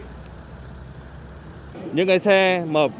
nếu tài xế và người ngồi trên xe đáp ứng các yêu cầu về phòng chống dịch